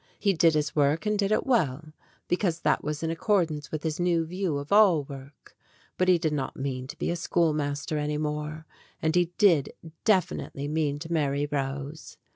He did his work and did it well, because that was in accordance with his new view of all work. But he did not mean to be a schoolmaster any more, and he did definitely mean to marry Rose.